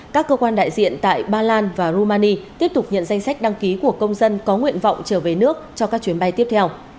các cơ quan đại diện tại ba lan và rumani tiếp tục nhận danh sách đăng ký của công dân có nguyện vọng trở về nước cho các chuyến bay tiếp theo